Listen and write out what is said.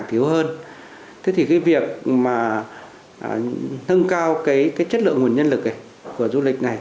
thế thì cái việc mà nâng cao cái chất lượng nguồn nhân lực này của du lịch này